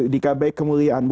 di gapai kemulian